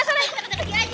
kita kena pergi aja